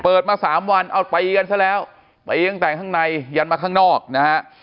มาสามวันเอาตีกันซะแล้วตีตั้งแต่ข้างในยันมาข้างนอกนะฮะ